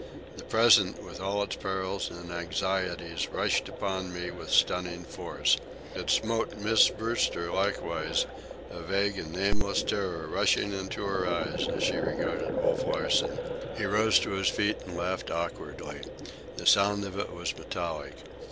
The present, with all its perils and anxieties, rushed upon me with stunning force. It smote Miss Brewster likewise, a vague and nameless terror rushing into her eyes as she regarded Wolf Larsen. He rose to his feet and laughed awkwardly. The sound of it was metallic.